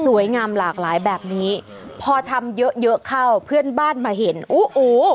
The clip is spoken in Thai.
งามหลากหลายแบบนี้พอทำเยอะเยอะเข้าเพื่อนบ้านมาเห็นโอ้โห